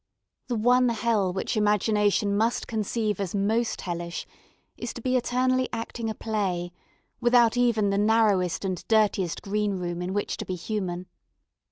The one hell which imagination must conceive as most hellish is to be eternally acting a play without even the narrowest and dirtiest greenroom in which to be human.